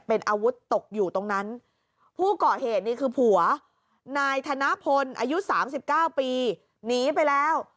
เป็นอาวุธตกอยู่ตรงนั้นผู้ก่อเหตุนี่คือผัวนายธนพลอายุสามสิบเก้าปีหนีไปแล้ว